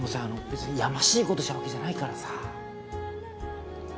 別にやましいことしたわけじゃないからさ。